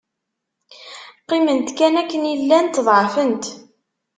Qqiment kan akken i llant, ḍeɛfent.